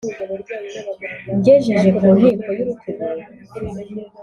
ngejeje ku nkiko y' urutugu